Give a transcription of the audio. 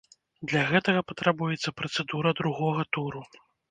Для гэта патрабуецца працэдура другога туру.